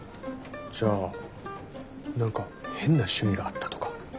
じゃあ何か変な趣味があったとか？